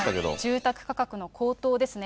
住宅価格の高騰ですね。